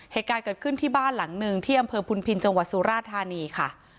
เหตุการณ์เกิดขึ้นที่บ้านหลังหนึ่งที่อำเภอพุนพินจังหวัดสุราธานีค่ะ